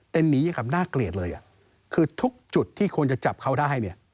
แต่หนีอย่างกับน่าเกลียดเลยคือทุกจุดที่ควรจะจับเขาได้เนี่ย